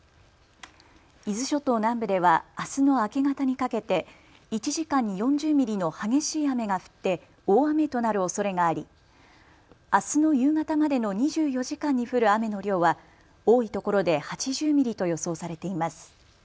伊豆諸島南部ではあすの明け方にかけて１時間に４０ミリの激しい雨が降って大雨となるおそれがありあすの夕方までの２４時間に降る雨の量は多いところで８０ミリと予想されています。